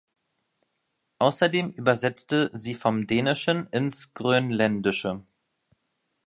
Außerdem übersetzte sie vom Dänischen ins Grönländische.